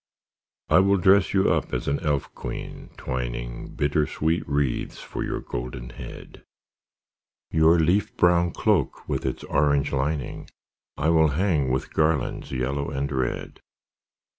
I will dress you up as an elf queen, twining Bittersweet wreaths for your golden head. Your leaf brown cloak with its orange lining I will hang with garlands yellow and red.